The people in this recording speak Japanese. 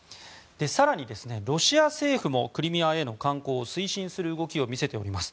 更に、ロシア政府もクリミアへの観光を推進する動きを見せています。